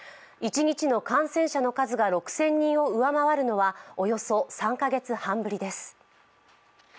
一日の感染者の数が６０００人を上回るのはおよそ３カ月半ぶりです。